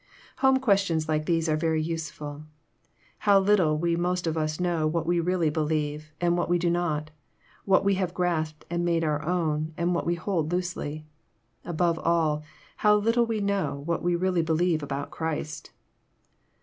Home questions like these are very useftil. How little we most of us know what we really believe, and what we do not ; what we have grasped and made our own, and what we hold loosely ! Above all, how little we know what we really believe about Christ